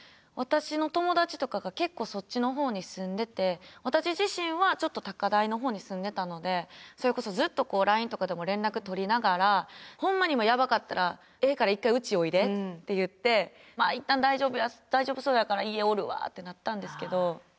私の友達とかが結構そっちの方に住んでて私自身はちょっと高台の方に住んでたのでそれこそずっとラインとかでも連絡取りながら「ほんまにもうやばかったらええから１回うちおいで」って言って「まあいったん大丈夫そうやから家おるわ」ってなったんですけど。